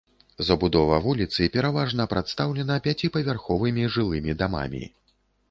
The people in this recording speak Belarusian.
Забудова вуліцы пераважна прадстаўлена пяціпавярховымі жылымі дамамі.